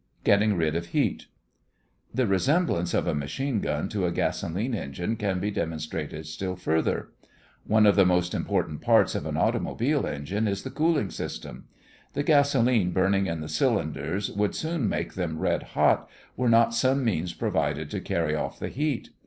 GETTING RID OF HEAT The resemblance of a machine gun to a gasolene engine can be demonstrated still further. One of the most important parts of an automobile engine is the cooling system. The gasolene burning in the cylinders would soon make them red hot, were not some means provided to carry off the heat.